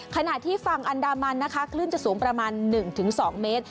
ขณะที่ฝั่งอันดามันนะคะคลื่นจะสูงประมาณ๑๒เมตร